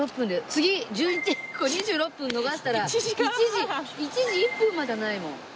次１１時２６分逃したら１時１分までないもん。